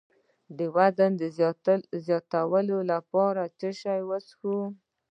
د وزن زیاتولو لپاره باید څه شی وڅښم؟